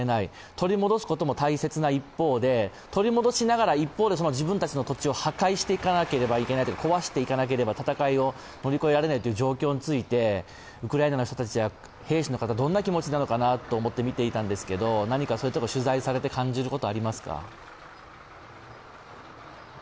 取り戻すことも大切な一方で取り戻しながら一方で、自分たちの土地を破壊していかなければいけないというか、壊していかなければ、戦いを乗り越えられないという状況についてウクライナの人たちは兵士たちはどんな気持ちなのかと思って見ていたんですが何かそういうところ、取材されて感じることはありますか？